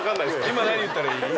今何言ったらいい？